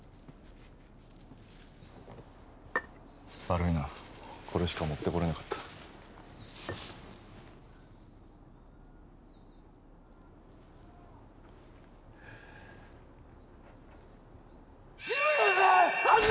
悪いなこれしか持ってこれなかった志村さん！